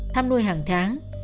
tham nuôi hàng tháng